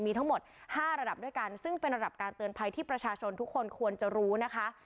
มีทั้งหมด๕ระดับด้วยกันซึ่งเป็นระดับการเตือนภัยที่ประชาชนทุกคนควรจะรู้นะคะ